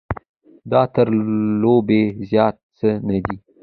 دا تر لوبې زیات څه نه دی.